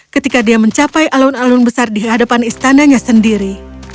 ketika dia mencapai alun alun besar di hadapan istananya sendiri